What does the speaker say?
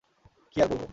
কী আর বলবো?